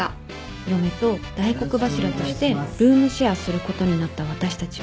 嫁と大黒柱としてルームシェアすることになった私たちは。